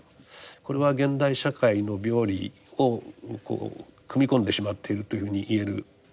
これは現代社会の病理をこう組み込んでしまっているというふうに言えるかもしれません。